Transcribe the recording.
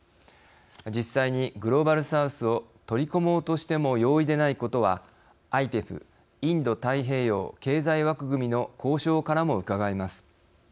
実際に、グローバル・サウスを取り込もうとしても容易でないことはＩＰＥＦ＝インド太平洋経済枠組みの交渉からもうかがえます。